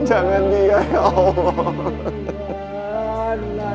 jangan dia ya allah